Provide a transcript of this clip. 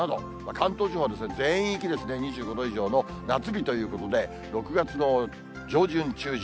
関東地方は全域ですね、２５度以上の夏日ということで、６月の上旬、中旬。